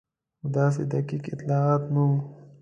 خو داسې دقیق اطلاعات نه وو.